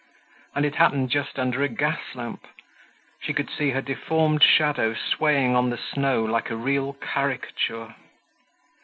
And it happened just under a gas lamp; she could see her deformed shadow swaying on the snow like a real caricature.